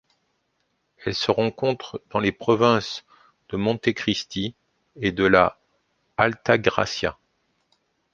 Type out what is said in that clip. Elle se rencontre dans les provinces de Monte Cristi et de La Altagracia.